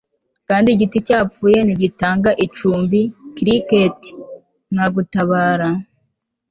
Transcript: Kandi igiti cyapfuye ntigitanga icumbi cricket nta gutabara